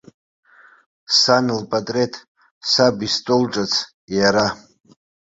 Сан лпатреҭ, саб истол ҿыц, иара.